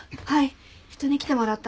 人に来てもらったので。